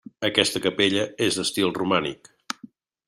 Aquesta capella és d'estil romànic.